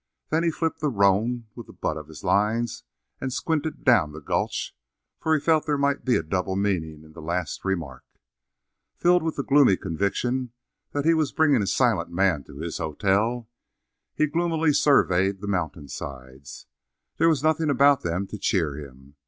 Then he flipped the roan with the butt of his lines and squinted down the gulch, for he felt there might be a double meaning in the last remark. Filled with the gloomy conviction that he was bringing a silent man to his hotel, he gloomily surveyed the mountain sides. There was nothing about them to cheer him.